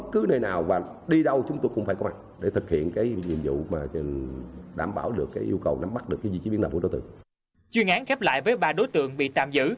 chuyên án khép lại với ba đối tượng bị tạm giữ